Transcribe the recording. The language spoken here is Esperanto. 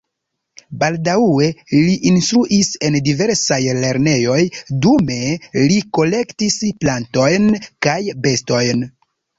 Baldaŭe li instruis en diversaj lernejoj, dume li kolektis plantojn kaj bestojn.